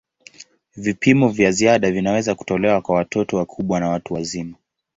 Vipimo vya ziada vinaweza kutolewa kwa watoto wakubwa na watu wazima.